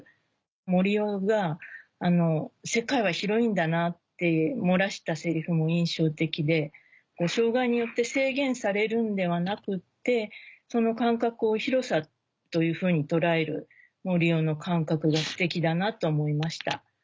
森生が「世界は広いんだな」って漏らしたセリフも印象的で障がいによって制限されるんではなくってその感覚を「広さ」というふうに捉える森生の感覚がステキだなと思いました。